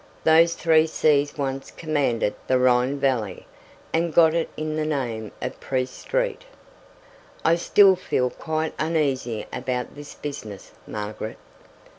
Those three sees once commanded the Rhine Valley and got it the name of Priest Street." "I still feel quite uneasy about this business, Margaret."